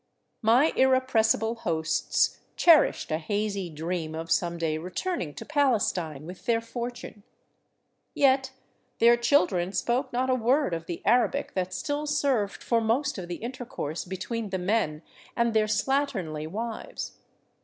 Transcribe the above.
My irrepressible hosts cherished a hazy dream of some day return ing to Palestine with their fortune. Yet their children spoke not a word of the Arabic that still served for most of the intercourse between the men and their slatternly wives.